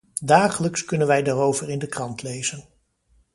Dagelijks kunnen wij daarover in de krant lezen.